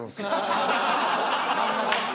ハハハハッ。